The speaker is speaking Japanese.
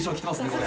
これ。